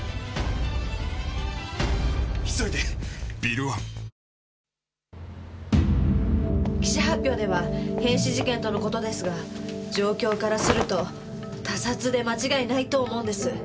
⁉ＬＧ２１記者発表では変死事件とのことですが状況からすると他殺で間違いないと思うんです。